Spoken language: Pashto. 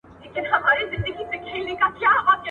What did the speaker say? • د گوړي په ويلو خوله نه خوږېږي.